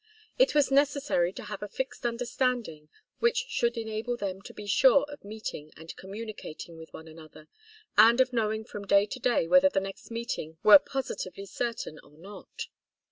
It was necessary to have a fixed understanding which should enable them to be sure of meeting and communicating with one another, and of knowing from day to day whether the next meeting were positively certain or not.